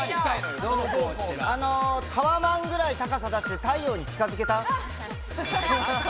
タワマンくらい高さ出して、太陽に近づけた。